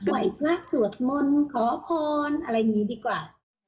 ไหวพลากสัวมนต์ขอพรอะไรอย่างนี้ดีกว่า